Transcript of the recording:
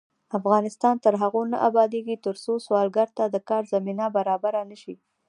افغانستان تر هغو نه ابادیږي، ترڅو سوالګر ته د کار زمینه برابره نشي.